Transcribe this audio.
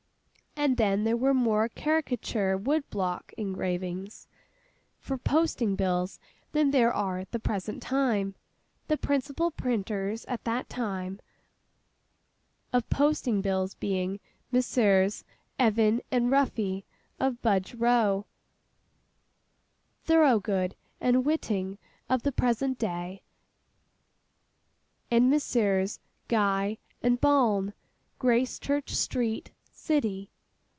And then there were more caricature wood block engravings for posting bills than there are at the present time, the principal printers, at that time, of posting bills being Messrs. Evans and Ruffy, of Budge Row; Thoroughgood and Whiting, of the present day; and Messrs. Gye and Balne, Gracechurch Street, City.